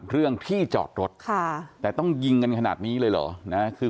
เรื่องที่จอดรถแต่ต้องยิงกันขนาดนี้เลยเหรอนะคือ